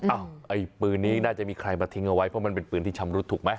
ไอ้ปืนนี้น่าจะมีใครมาทิ้งเอาไว้เพราะมันเป็นปืนที่ชำรุดถูกไหม